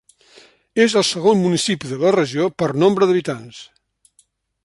És el segon municipi de la regió per nombre d'habitants.